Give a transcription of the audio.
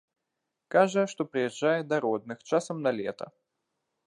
Кажа, што прыязджае да родных часам на лета.